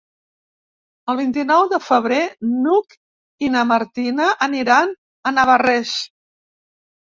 El vint-i-nou de febrer n'Hug i na Martina aniran a Navarrés.